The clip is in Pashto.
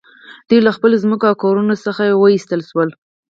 دوی له خپلو ځمکو او کورونو څخه وویستل شول